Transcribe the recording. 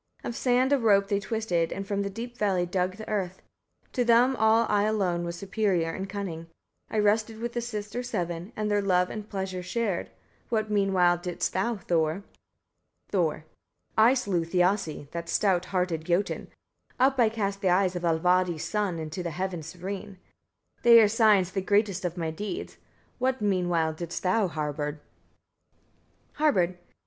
Of sand a rope they twisted, and from the deep valley dug the earth: to them all I alone was superior in cunning. I rested with the sisters seven, and their love and pleasures shared. What meanwhile didst thou, Thor? Thor. 19. I slew Thiassi, that stout hearted Jotun: up I cast the eyes of Allvaldi's son into the heaven serene: they are signs the greatest of my deeds. What meanwhile didst thou, Harbard? Harbard. 20.